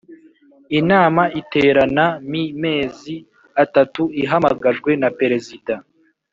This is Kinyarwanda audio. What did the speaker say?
Inama iterana mi mezi atatu ihamagajwe na Perezida